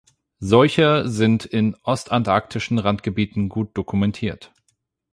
Solche sind in ostantarktischen Randgebieten gut dokumentiert.